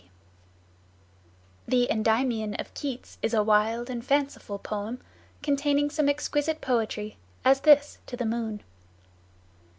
S. G. B. The "Endymion" of Keats is a wild and fanciful poem, containing some exquisite poetry, as this, to the moon